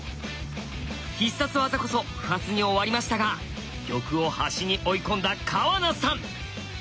必殺技こそ不発に終わりましたが玉を端に追い込んだ川名さん。